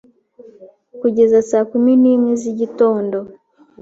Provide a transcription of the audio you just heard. kugeza saa kumi n'imwe z'igitondo